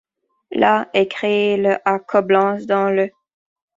La ' est créée le à Coblence dans le '.